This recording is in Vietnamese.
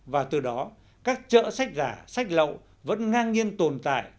và từ đó các chợ sách giả sách lậu vẫn ngang nhiên tồn tại